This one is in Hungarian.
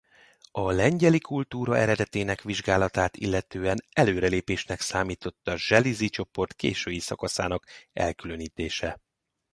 A lengyeli kultúra eredetének vizsgálatát illetően előrelépésnek számított a zselízi csoport késői szakaszának elkülönítése.